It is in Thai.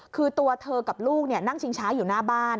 คือตัวเธอกับลูกนั่งชิงช้าอยู่หน้าบ้าน